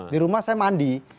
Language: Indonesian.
di rumah saya mandi